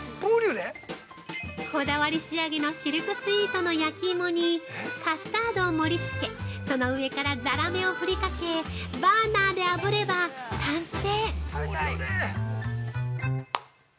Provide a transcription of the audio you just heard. ◆こだわり仕上げのシルクスイートの焼き芋にカスタードを盛り付けその上からザラメをふりかけバーナーであぶれば完成！